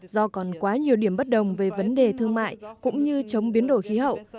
do còn quá nhiều điểm bất đồng về vấn đề thương mại cũng như chống biến đổi khí hậu